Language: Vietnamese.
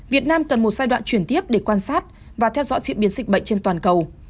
việt nam cần một giai đoạn chuyển tiếp để quan sát và theo dõi diễn biến dịch bệnh trên toàn cầu